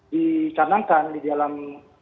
dicanangkan di dalam